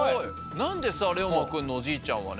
なんでされおまくんのおじいちゃんはね